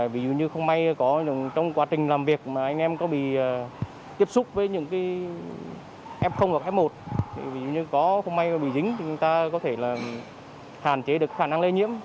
vì như có không may bị dính thì người ta có thể là hàn chế được khả năng lây nhiễm